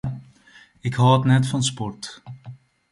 Ik hâld net fan sport.